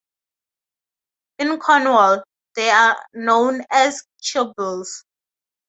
In Cornwall, they are known as chibbles.